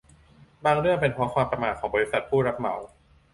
บางเรื่องเป็นเพราะความประมาทของบริษัทผู้รับเหมา